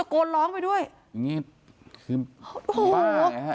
กระทืบไปด้วยเป็นเสียงไปด้วยตะโกนร้องไปด้วย